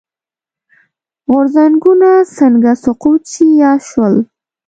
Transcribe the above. غورځنګونه څنګه سقوط شي یا شول.